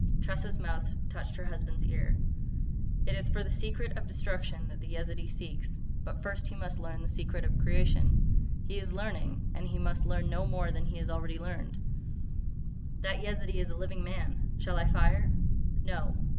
Tressa's mouth touched her husband's ear: "It is for the secret of Destruction that the Yezidee seeks. But first he must learn the secret of creation. He is learning.... And he must learn no more than he has already learned." "That Yezidee is a living man. Shall I fire?" "No."